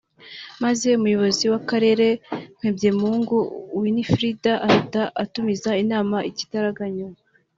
Maze Umuyobozi wa Karere Mpembyemungu Winifrida ahita atumiza inama igitaraganya